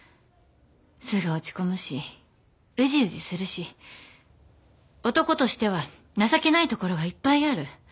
すぐ落ち込むしうじうじするし男としては情けないところがいっぱいある